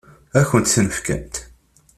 Ad kent-ten-fken?